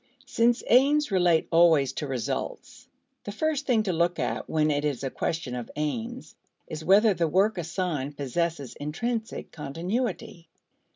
Since aims relate always to results, the first thing to look to when it is a question of aims, is whether the work assigned possesses intrinsic continuity.